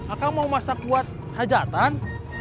aku mau masak buat hajatan